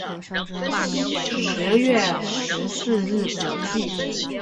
十月十四日补记。